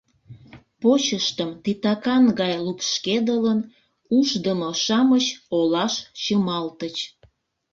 Почыштым титакан гай лупшкедылын, Ушдымо-шамыч Олаш чымалтыч.